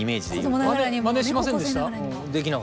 あれまねしませんでした？